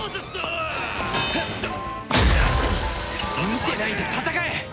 見てないで戦え！